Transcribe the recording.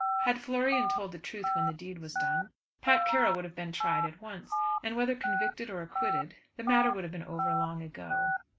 Had Florian told the truth when the deed was done, Pat Carroll would have been tried at once, and, whether convicted or acquitted, the matter would have been over long ago.